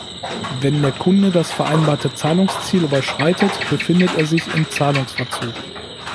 Wenn der Kunde das vereinbarte Zahlungsziel überschreitet, befindet er sich im Zahlungsverzug.